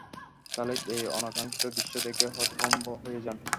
খালিদ এই অনাকাঙ্ক্ষিত দৃশ্য দেখে হতভম্ব হয়ে যান।